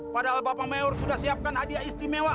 padahal bapak mayor sudah siapkan hadiah istimewa